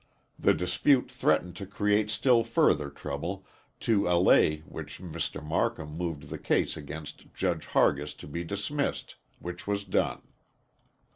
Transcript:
The dispute threatened to create still further trouble, to allay which Mr. Marcum moved the case against Judge Hargis to be dismissed, which was done.